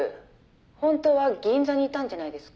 本当は銀座にいたんじゃないですか？」